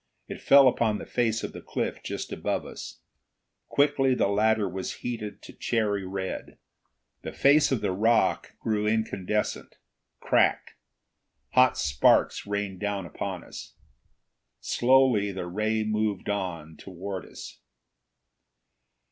It fell upon the face of the cliff just above us. Quickly the ladder was heated to cherry red. The face of the rock grew incandescent, cracked. Hot sparks rained down upon us. Slowly the ray moved down, toward us.